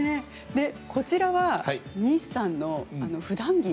こちらは、西さんのふだん着。